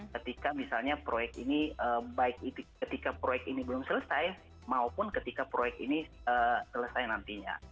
ketika misalnya proyek ini baik ketika proyek ini belum selesai maupun ketika proyek ini selesai nantinya